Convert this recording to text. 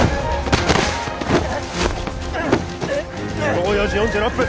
午後４時４６分